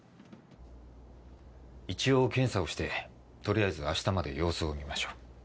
一応検査をして取りあえず明日まで様子を見ましょう。